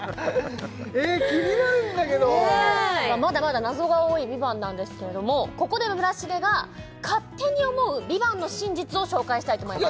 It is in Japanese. えーっ気になるんだけどまだまだ謎が多い「ＶＩＶＡＮＴ」なんですけれどもここで村重が勝手に思う「ＶＩＶＡＮＴ」の真実を紹介したいと思います